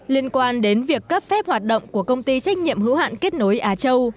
liên quan đến việc cấp phép hoạt động của công ty trách nhiệm hữu hạn kết nối á châu